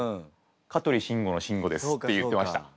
「香取慎吾の『慎吾』です」って言ってました。